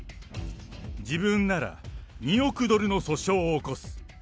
自分なら２億ドルの訴訟を起こす。